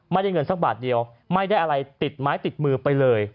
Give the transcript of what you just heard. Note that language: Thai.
ไม่ได้เงินสักบาทเดียวไม่ได้อะไรติดไม้ติดมือไปเลย